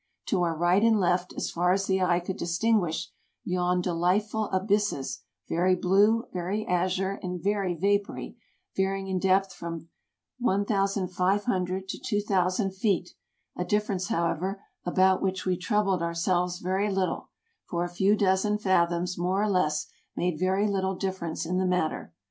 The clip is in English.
To our right and left, as far as the eye could distinguish, yawned delight ful abysses very blue, very azure, and very vapory, varying in depth from 1 500 to 2000 feet, a difference, however, about which we troubled ourselves very little, for a few dozen fathoms, more or less, made very little difference in the mat ter.